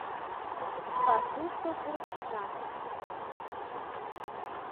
Пасушто пургыжта.